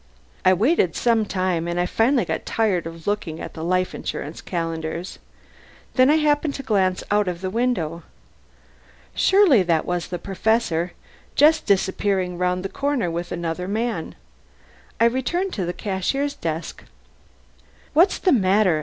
I waited some time, and finally I got tired of looking at the Life Insurance calendars. Then I happened to glance out of the window. Surely that was the Professor, just disappearing round the corner with another man? I returned to the cashier's desk. "What's the matter?"